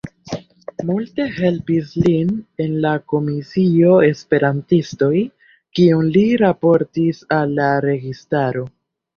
Multe helpis lin en la komisio Esperantistoj, kion li raportis al la registaro.